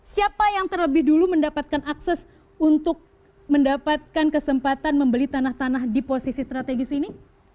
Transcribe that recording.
siapa yang terlebih dulu mendapatkan akses untuk mendapatkan kesempatan membeli tanah tanah di posisi strategis ini